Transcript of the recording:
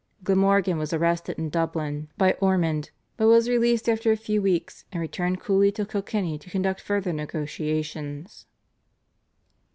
Glamorgan was arrested in Dublin by Ormond, but was released after a few weeks, and returned coolly to Kilkenny to conduct further negotiations.